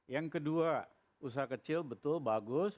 yang kedua usaha kecil betul bagus